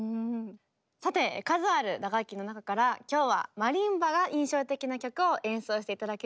さて数ある打楽器の中から今日はマリンバが印象的な曲を演奏して頂けるんですよね。